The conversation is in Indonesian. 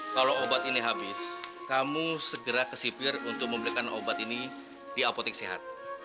kalau obat ini habis kamu segera ke sipir untuk membelikan obat ini di apotek sehat